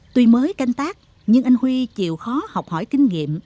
tuy mới canh tác nhưng anh huy chịu khó học hỏi kinh nghiệm